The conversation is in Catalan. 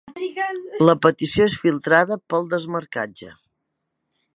La petició és filtrada pel desmarcatge.